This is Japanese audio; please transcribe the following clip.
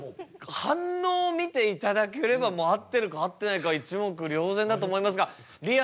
反応を見ていただければもう合ってるか合ってないか一目瞭然だと思いますがりあ